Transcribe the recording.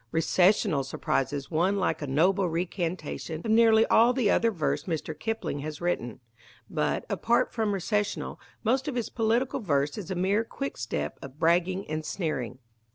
Recessional surprises one like a noble recantation of nearly all the other verse Mr. Kipling has written. But, apart from Recessional, most of his political verse is a mere quickstep of bragging and sneering.